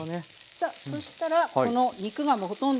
さあそしたらこの肉がほとんど。